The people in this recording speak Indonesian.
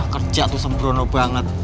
kerja tuh semprono banget